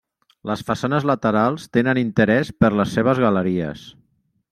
Les façanes laterals tenen interès per les seves galeries.